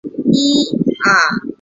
欧班日人口变化图示